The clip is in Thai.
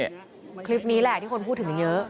คลิปนี้แหละที่คนพูดถึงเยอะ